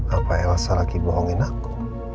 apa elah salah lagi bohongin aku